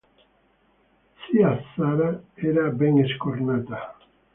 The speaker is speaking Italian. Zia Sara era ben scornata.